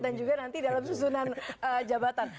dan juga nanti dalam susunan jabatan